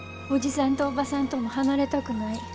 おじさんとおばさんとも離れたくない。